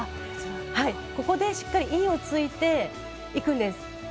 ここでしっかりインをついていくんです。